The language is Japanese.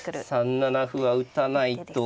３七歩は打たないと。